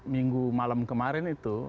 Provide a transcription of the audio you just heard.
minggu malam kemarin itu